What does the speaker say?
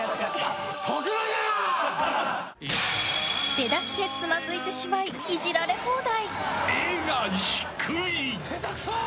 出だしでつまずいてしまいイジられ放題。